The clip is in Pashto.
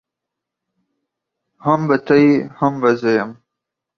هم به ته يې هم به زه يم.